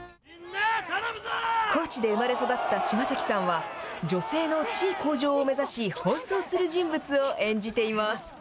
高知で生まれ育った島崎さんは、女性の地位向上を目指し、奔走する人物を演じています。